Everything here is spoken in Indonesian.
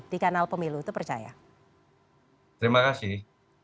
di kanal pemilu terima kasih